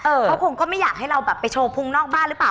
เขาคงก็ไม่อยากให้เราแบบไปโชว์พุงนอกบ้านหรือเปล่า